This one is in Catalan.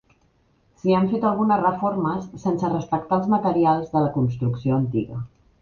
S'hi han fet algunes reformes sense respectar els materials de la construcció antiga.